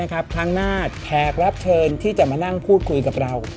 ครั้งหน้าแขกรับเชิญที่จะมานั่งพูดคุยกับเรา